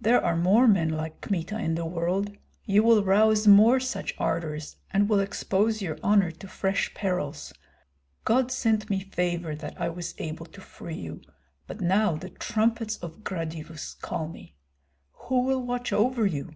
There are more men like Kmita in the world; you will rouse more such ardors, and will expose your honor to fresh perils. God sent me favor that I was able to free you, but now the trumpets of Gradivus call me. Who will watch over you?